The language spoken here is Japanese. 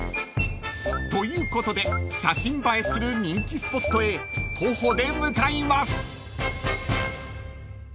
［ということで写真映えをする人気スポットへ徒歩で向かいます］